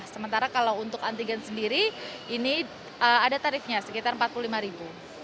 sementara kalau untuk antigen sendiri ini ada tarifnya sekitar rp empat puluh lima ribu